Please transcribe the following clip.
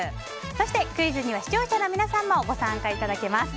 そしてクイズには視聴者の皆さんもご参加いただけます。